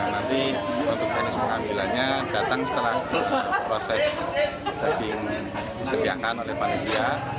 nanti untuk teknis pengambilannya datang setelah proses daging disediakan oleh panitia